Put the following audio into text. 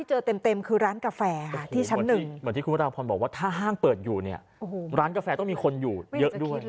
เหมือนที่คุณพระราบพรบอกว่าถ้าห้างเปิดอยู่ร้านกาแฟต้องมีคนอยู่เยอะด้วย